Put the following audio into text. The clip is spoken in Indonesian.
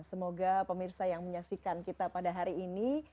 semoga pemirsa yang menyaksikan kita pada hari ini